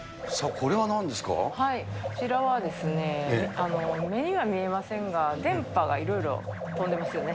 こちらはですね、目には見えませんが、電波がいろいろ飛んでますよね。